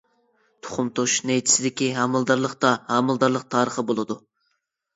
تۇخۇم توشۇش نەيچىسىدىكى ھامىلىدارلىقتا ھامىلىدارلىق تارىخى بولىدۇ.